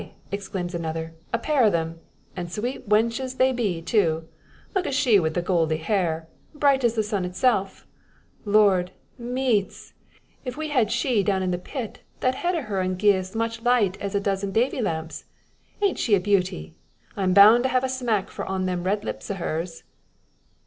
exclaims another, "a pair o' them. An' sweet wenches they be, too. Look at she wi' the gooldy hair bright as the sun itself. Lord, meeats! if we had she down in the pit, that head o' her ud gi'e as much light as a dozen Davy's lamps. An't she a bewty? I'm boun' to have a smack fra them red lips o' hers."